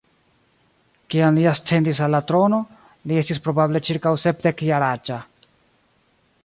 Kiam li ascendis al la trono, li estis probable ĉirkaŭ sepdek-jaraĝa.